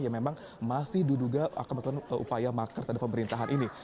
yang memang masih diduga akan melakukan upaya makar terhadap pemerintahan ini